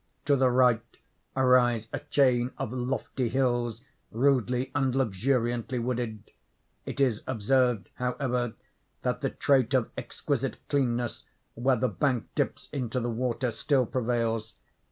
To the right arise a chain of lofty hills rudely and luxuriantly wooded. It is observed, however, that the trait of exquisite cleanness where the bank dips into the water, still prevails.